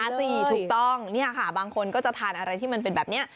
ซาซี่ถูกต้องนี่ค่ะบางคนน้ำจรวดก็จะรู้จักอะไรที่มันเป็นแบบนี้